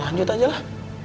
lanjut aja lah